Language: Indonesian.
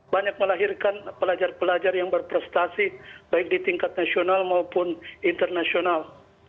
banyak melahirkan pelajar pelajar yang berprestasi baik di tingkat nasional maupun internasional